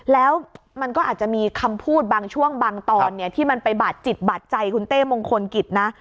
แล้วมันก็อาจจะมีคำพูดบางช่วงบางตอนเนี่ยที่มันไปบาดจิตบาดใจคุณเต้มงคลกิจนะ